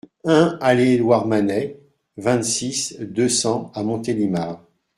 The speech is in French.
un allée Edouard Manet, vingt-six, deux cents à Montélimar